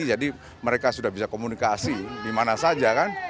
jadi mereka sudah bisa komunikasi di mana saja kan